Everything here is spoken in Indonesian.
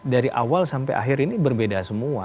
dari awal sampai akhir ini berbeda semua